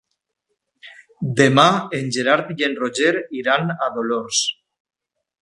Demà en Gerard i en Roger iran a Dolors.